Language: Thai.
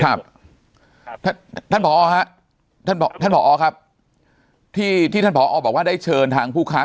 ครับท่านท่านท่านท่านท่านท่านท่านผมบอกว่าได้เชิญทางผู้ค้า